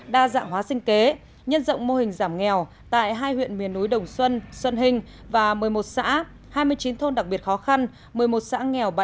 đa dạng hóa sinh kế nhân rộng mô hình giảm nghèo tại hai huyện miền núi đồng xuân xuân hình và một mươi một xã hai mươi chín thôn đặc biệt khó khăn một mươi một xã nghèo